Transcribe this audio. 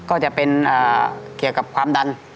ก็จะเป็นเกี่ยวกับความดัน